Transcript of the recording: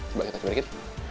coba kita coba dikit